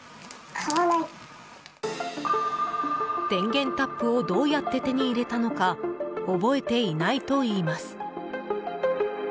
電源タップをどうやって手に入れたのか覚えていないといいます。